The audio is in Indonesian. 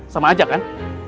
sama aja kan